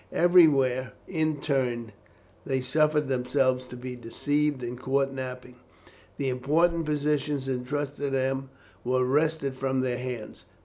Everywhere, in turn, they suffered themselves to be deceived and caught napping. The important positions entrusted to them were wrested from their hands.